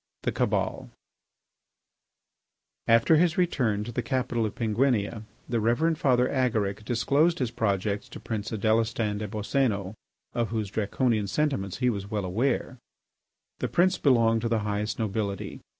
III. THE CABAL After his return to the capital of Penguinia, the Reverend Father Agaric disclosed his projects to Prince Adélestan des Boscénos, of whose Draconian sentiments he was well aware. The prince belonged to the highest nobility.